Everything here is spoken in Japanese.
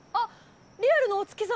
リアルのお月様